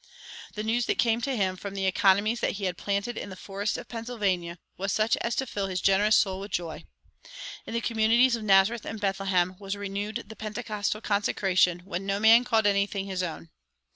The news that came to him from the "economies" that he had planted in the forests of Pennsylvania was such as to fill his generous soul with joy. In the communities of Nazareth and Bethlehem was renewed the pentecostal consecration when no man called anything his own.